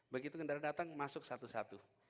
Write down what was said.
begitu kendaraan datang masuk satu satu